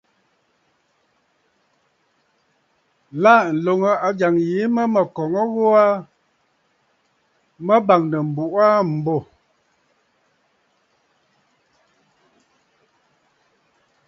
Lâ, ǹloŋ ajàŋ yìi mə mə̀ kɔ̀ŋə gho aa, mə bàŋnə̀ m̀buꞌu aa m̀bô.